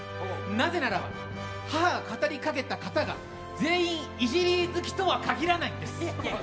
なぜならば、母が語りかけた方が全員イジリー好きとは限らないんです。